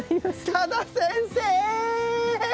多田先生！